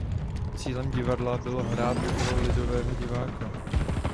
Cílem divadla bylo hrát pro lidového diváka.